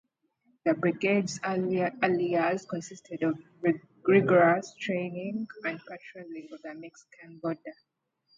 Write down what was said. The brigade's early years consisted of rigorous training and patrolling of the Mexican border.